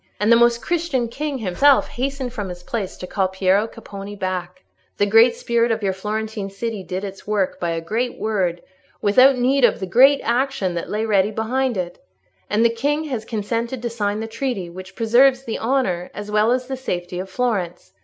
And the Most Christian King himself hastened from his place to call Piero Capponi back. The great spirit of your Florentine city did its work by a great word, without need of the great actions that lay ready behind it. And the King has consented to sign the treaty, which preserves the honour, as well as the safety, of Florence.